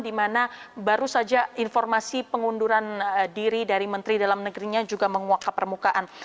dimana baru saja informasi pengunduran diri dari menteri dalam negerinya juga menguat kepermohonan